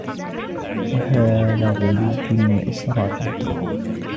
وَحَالُ غُلُوٍّ وَإِسْرَافٍ